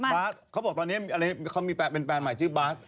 บ๊าทเขาบอกตอนนี้เค้ามีแฟนเป็นแฟนใหม่ชื่อบ๊าท